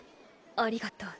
ありがとう。